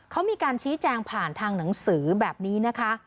เขามีการชี้แจงผ่านทางหนังสือแบบนี้นะคะ